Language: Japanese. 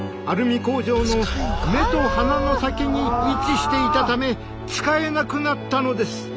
アルミ工場の目と鼻の先に位置していたため使えなくなったのです。